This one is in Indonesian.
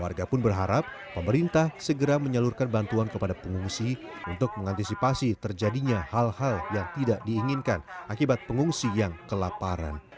warga pun berharap pemerintah segera menyalurkan bantuan kepada pengungsi untuk mengantisipasi terjadinya hal hal yang tidak diinginkan akibat pengungsi yang kelaparan